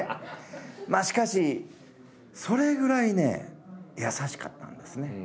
しかしそれぐらいね優しかったんですね。